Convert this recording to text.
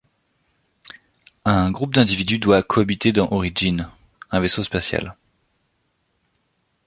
Un groupe d'individus doit cohabiter dans Origin, un vaisseau spatial.